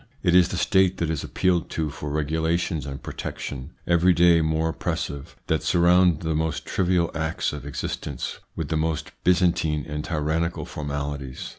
It is the State that is appealed to for regulations and protection, every day more oppres sive, that surround the most trivial acts of existence with the most Byzantine and tyrannical formalities.